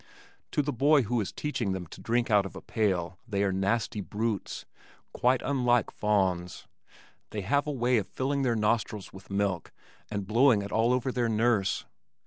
To the boy who is teaching them to drink out of a pail they are nasty brutes quite unlike fawns. They have a way of filling their nostrils with milk and blowing it all over their nurse.